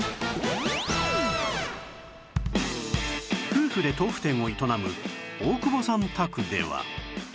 夫婦で豆腐店を営む大久保さん宅では